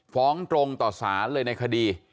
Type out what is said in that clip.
ฟ้องตรงต่อสารเลยในคดี